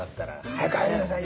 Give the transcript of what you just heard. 「早く入りなさい！」。